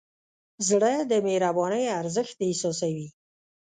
زړه د مهربانۍ ارزښت احساسوي.